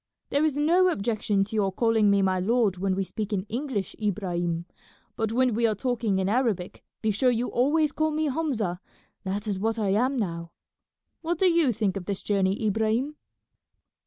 "There is no objection to your calling me my lord when we speak in English, Ibrahim, but when we are talking in Arabic be sure you always call me Hamza; that is what I am now. What do you think of this journey, Ibrahim?"